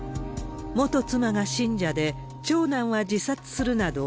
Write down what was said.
元妻が信者で、長男は自殺するなど、